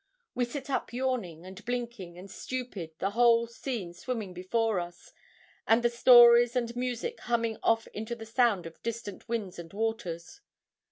We sit up, yawning, and blinking, and stupid, the whole scene swimming before us, and the stories and music humming off into the sound of distant winds and waters.